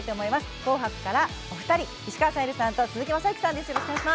「紅白」からお二人石川さゆりさんと鈴木雅之さんです。